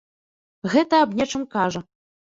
Гэта аб нечым кажа.